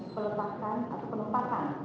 selain hal ini dengan penempatan